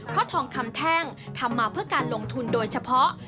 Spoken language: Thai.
เพราะทองคำแท่งทำมาเพื่อการลงทุนโดยเฉพาะ